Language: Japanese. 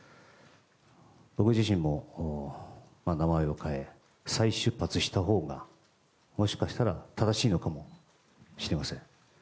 僕自身も名前を変え再出発したほうがもしかしたら正しいのかもしれません。